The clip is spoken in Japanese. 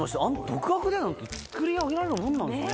独学でなんて作り上げられるもんなんですね。